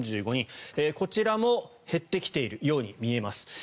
こちらも減ってきているように見えます。